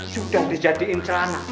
sudah dijadiin celana